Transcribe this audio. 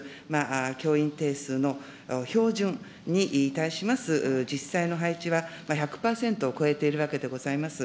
教員定数の標準に対します実際の配置は１００％を超えているわけでございます。